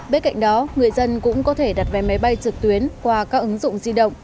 bên cạnh đó người dân cũng có thể đặt vé máy bay trực tuyến qua các ứng dụng di động